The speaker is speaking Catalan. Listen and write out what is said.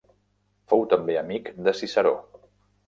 Fou també amic de Ciceró.